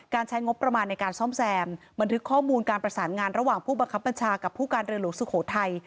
ใช้งบประมาณในการซ่อมแซมบันทึกข้อมูลการประสานงานระหว่างผู้บังคับบัญชากับผู้การเรือหลวงสุโขทัย